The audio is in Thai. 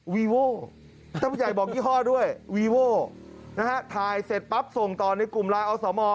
วีโว่ท่านผู้ใหญ่บอกยี่ห้อด้วยวีโว่นะฮะถ่ายเสร็จปั๊บส่งต่อในกลุ่มไลน์อสม